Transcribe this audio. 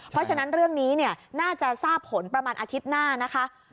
เพราะฉะนั้นเรื่องนี้น่าจะทราบผลประมาณอาทิตย์หน้านะคะ